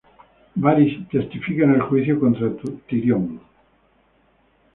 Varys testifica en el juicio contra Tyrion.